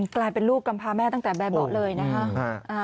กลายเป็นลูกกำพาแม่ตั้งแต่แบบเบาะเลยนะคะ